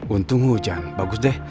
untung hujan bagus deh